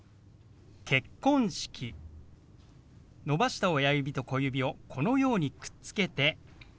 伸ばした親指と小指をこのようにくっつけて。